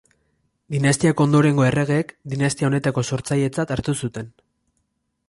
Dinastiako ondorengo erregeek, dinastia honetako sortzailetzat hartu zuten.